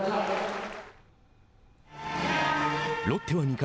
ロッテは２回。